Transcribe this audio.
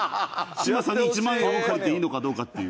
「嶋佐に１万円を借りていいのかどうか」っていう。